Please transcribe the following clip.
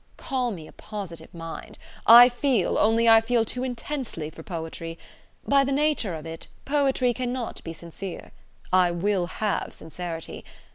Call me a positive mind. I feel: only I feel too intensely for poetry. By the nature of it, poetry cannot be sincere. I will have sincerity.